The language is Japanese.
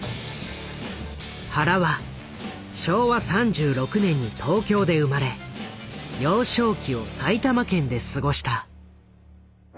原は昭和３６年に東京で生まれ幼少期を埼玉県で過ごした。